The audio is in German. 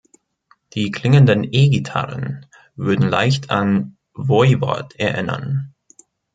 Die klingenden E-Gitarren würden leicht an Voivod erinnern.